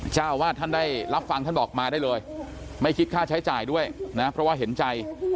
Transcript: เจ้าวาดท่านได้รับฟังท่านบอกมาได้เลยไม่คิดค่าใช้จ่ายด้วยนะเพราะว่าเห็นใจ